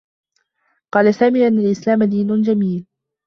قال سامي أنّ الإسلام دين جميل.